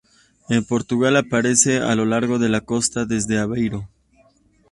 En Portugal, aparece a lo largo de la costa desde Aveiro.